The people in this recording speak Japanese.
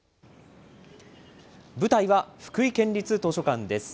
舞台は、福井県立図書館です。